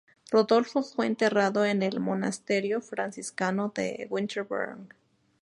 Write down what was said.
Rodolfo fue enterrado en el monasterio franciscano de Wittenberg.